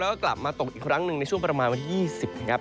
แล้วก็กลับมาตกอีกครั้งหนึ่งในช่วงประมาณวันที่๒๐นะครับ